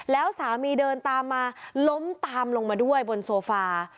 แล้วสามีเดินตามมาล้มตามลงมาด้วยบนโซฟา